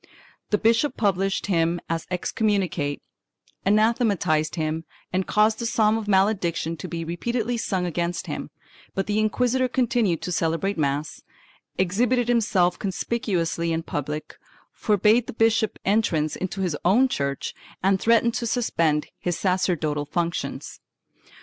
The bishop published him as excommunicate, anathematized him and caused the psalm of malediction to be repeatedly sung against him, but the inquisitor continued to celebrate mass, exhibited himself conspicuously in public, forbade the bishop entrance into his own church and threatened to suspend his sacerdotal functions.